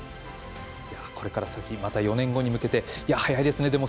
これから先また４年後に向けて早いですね。